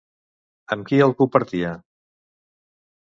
Amb qui el compartia?